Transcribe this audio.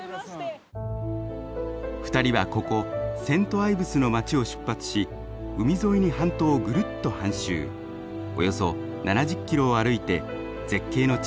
２人はここセント・アイブスの街を出発し海沿いに半島をぐるっと半周およそ７０キロを歩いて絶景の地